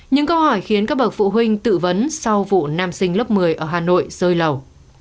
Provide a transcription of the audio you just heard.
những câu hỏi khiến các bậc phụ huynh tự vấn sau vụ nam sinh lớp một mươi ở hà nội rơi lầu